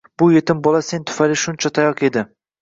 — Bu yetim bola sen tufayli shuncha tayoq yedi.